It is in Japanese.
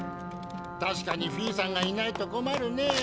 確かにフィーさんがいないと困るね。